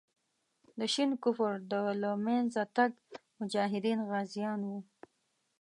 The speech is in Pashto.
د شین کفر د له منځه تګ مجاهدین غازیان وو.